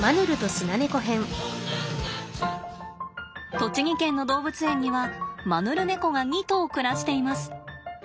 栃木県の動物園にはマヌルネコが２頭暮らしています。